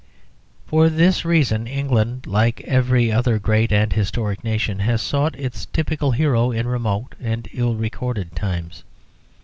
For this reason England, like every other great and historic nation, has sought its typical hero in remote and ill recorded times.